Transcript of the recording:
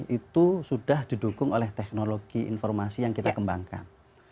itu sudah didukung oleh teknologi informasi yang kita kembangkan